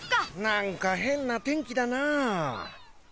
なんかへんなてんきだな。